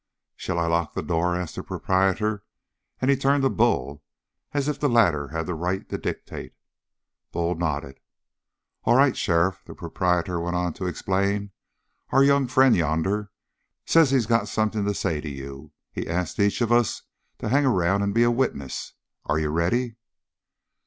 "Shall I lock the door?" asked the proprietor, and he turned to Bull, as if the latter had the right to dictate. Bull nodded. "All right, sheriff," the proprietor went on to explain. "Our young friend yonder says that he's got something to say to you. He's asked each of us to hang around and be a witness. Are you ready?"